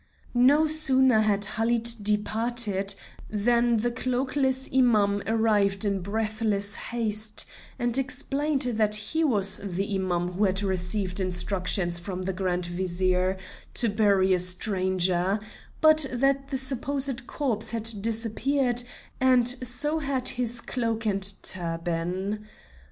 No sooner had Halid departed than the cloakless Imam arrived in breathless haste, and explained that he was the Imam who had received instructions from the Grand Vizier to bury a stranger, but that the supposed corpse had disappeared, and so had his cloak and turban.